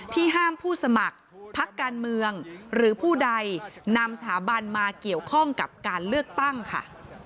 ห้ามผู้สมัครพักการเมืองหรือผู้ใดนำสถาบันมาเกี่ยวข้องกับการเลือกตั้งค่ะ